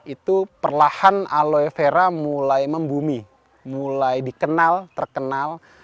itu perlahan aloe vera mulai membumi mulai dikenal terkenal